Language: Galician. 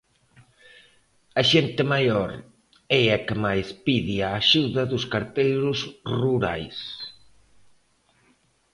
A xente maior é a que máis pide a axuda dos carteiros rurais.